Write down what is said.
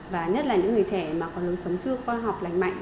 và nhất là những người trẻ mà còn lâu sống trước khoa học lành mạnh